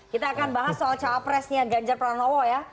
kita akan bahas soal cawapresnya ganjar pranowo ya